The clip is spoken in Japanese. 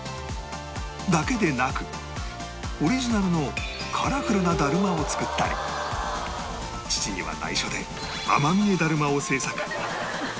だけでなくオリジナルのカラフルなだるまを作ったり父には内緒でアマビエだるまを制作